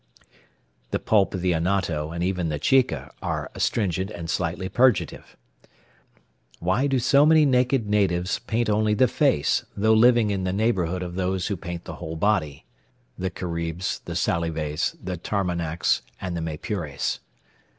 (* The pulp of the anato, and even the chica, are astringent and slightly purgative.) Why do so many naked natives paint only the face, though living in the neighbourhood of those who paint the whole body?* (* The Caribs, the Salives, the Tamanacs, and the Maypures.)